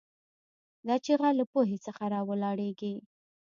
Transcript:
دا چیغه له پوهې څخه راولاړېږي.